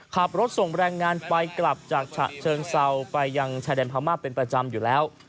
ขับรถส่งแรงงานไปกลับจากเชิงเศร้าไปยังชายแดนพระธรรมะเป็นปัจจำอยู่แล้ว